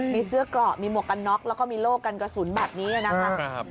มีเสื้อเกราะมีหมวกกันน็อกแล้วก็มีโล่กันกระสุนแบบนี้นะครับ